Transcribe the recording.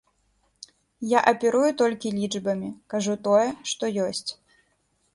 Я аперую толькі лічбамі, кажу тое, што ёсць.